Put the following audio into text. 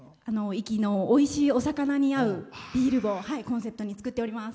壱岐のおいしいお魚に合うビールをコンセプトに造っております。